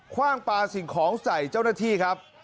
ว่างปลาสิ่งของใส่เจ้าหน้าที่ครับ